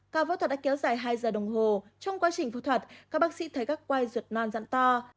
ca phẫu thuật đã kéo dài hai giờ đồng hồ trong quá trình phẫu thuật các bác sĩ thấy các quay ruột non dặn to